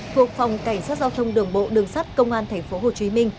thuộc phòng cảnh sát giao thông đường bộ đường sát công an tp hcm